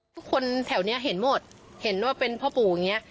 ทุกคนแถวนี้เห็นหมดเห็นว่าเป็นพ่อปู่อย่างนี้